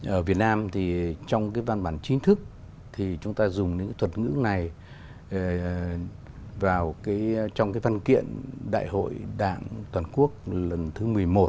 ở việt nam thì trong cái văn bản chính thức thì chúng ta dùng những thuật ngữ này vào trong cái văn kiện đại hội đảng toàn quốc lần thứ một mươi một